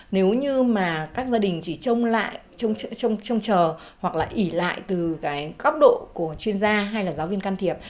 nếu như mà các gia đình chỉ trông lại trông trông chờ hoặc là ỉ lại từ cái góc độ của chuyên gia hay là giáo viên can thiệp